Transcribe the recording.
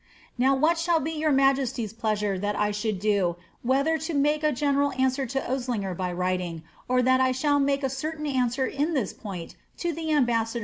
Now what shall bo your majt'xty's pleasure that I shall do, whether to make a general answer to Osliger tij writing, or that I shall make a certain answer in this point to the ambassador *St«t^ Papers, 701.